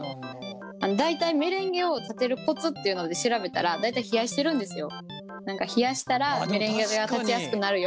大体メレンゲを立てるコツっていうので調べたら大体冷やしてるんですよ。